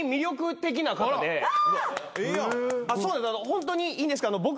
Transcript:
ホントにいいんですけど僕